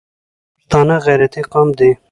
پښتانه غیرتي قوم دي